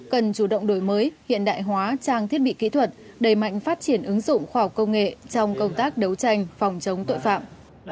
cần chủ động đổi mới hiện đại hóa trang thiết bị kỹ thuật đầy mạnh phát triển ứng dụng khoa học công nghệ trong công tác đấu tranh phòng chống tội phạm